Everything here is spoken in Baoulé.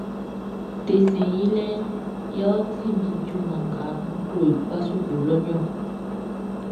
Desɛn yilɛʼn yɛ ɔ ti min junman nga n klo i kpa suklu lɔʼn niɔn.